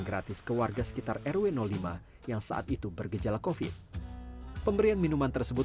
gratis ke warga sekitar rw lima yang saat itu bergejala kofit pemberian minuman tersebut